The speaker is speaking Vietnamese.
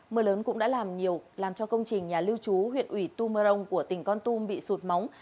mưa lớn cũng đã làm nhiều làm cho công trình nhà lưu trú huyện ủy tu mơ rông của tỉnh con tum bị sụt móng